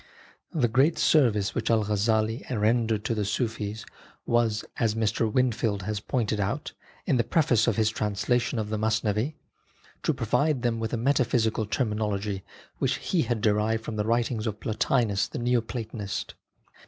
The great service which Al Ghazzali rendered to the Sufis was, as Mr. Whinfield has pointed out, in the preface to his translation of the Masnavi, to provide them with a metaphysical terminology which he had derived from the writings of Plotinus the Neo Platonist.